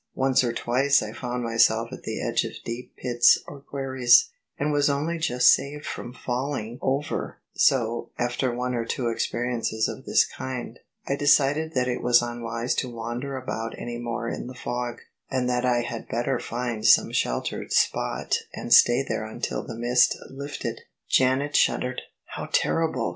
Once or twice I found myself at the edge of deep pits or quarries, and was only just saved from falling [ 333 ] THE SUBJECTION over: so— after one or two experiences of this kind — I de cided that it was unwise to wander about any more in the fog, and that I had better find some sheltered spot and stay there until the mist lifted.*' Jailet shuddered: "How terrible!"